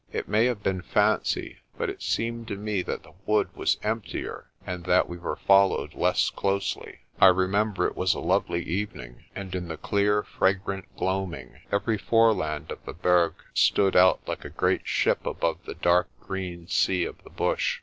It may have been fancy, but it seemed to me that the wood was emptier and that we were followed less closely. I remember it was a lovely THE DRUMS BEAT AT SUNSET 83 evening, and in the clear fragrant gloaming every foreland of the Berg stood out like a great ship above the dark green sea of the bush.